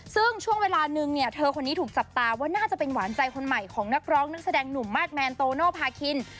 ซึ่งช่วงเวลานึงเนี่ยเธอคนนี้ถูกจับตาว่าน่าจะเป็นหวานใจคนใหม่ของนักร้องนักแสดงหนุ่มมาสแมนโตโนภาคิน